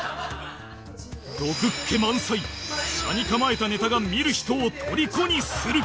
毒っ気満載斜に構えたネタが見る人をとりこにする